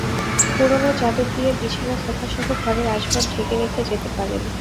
পুরোনো চাদর দিয়ে বিছানা, সোফাসহ ঘরের আসবাব ঢেকে রেখে যেতে পারেন।